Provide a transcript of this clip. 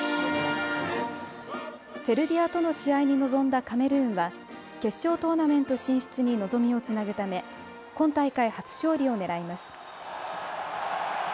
セルビアとの試合に臨んだカメルーンは決勝トーナメント進出に望みをつなぐため今大会、初勝利を狙います。